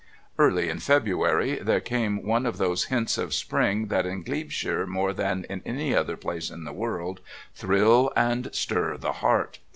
Early in February there came one of those hints of spring that in Glebeshire more than in any other place in the world thrill and stir the heart.